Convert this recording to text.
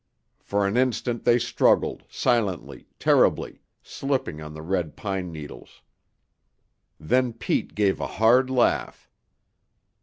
For an instant they struggled, silently, terribly, slipping on the red pine needles. Then Pete gave a hard laugh.